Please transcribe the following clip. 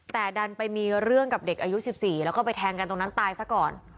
แต่ดันไปมีเรื่องกับเด็กอายุ๑๔แล้วก็ไปแทงกันตรงนั้นตายซะก่อน